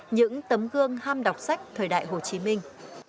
những tấm gương ham đọc sách thời đại hồ chí minh